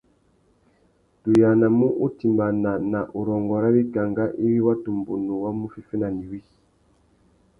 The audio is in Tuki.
Tu yānamú utimbāna nà urrôngô râ wikangá iwí watu mbunu wá mú féffena nà iwí.